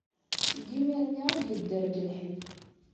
Seg yimir-nni ay yedder deg lḥif.